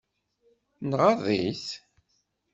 Nɣaḍ-it?